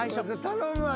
頼むわ。